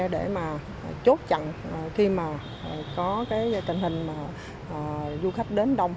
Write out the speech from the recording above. để mà chốt chặn khi mà có tình hình du khách đến đông